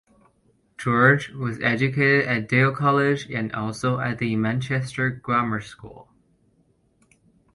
George was educated at Dale College and also at the Manchester Grammar School.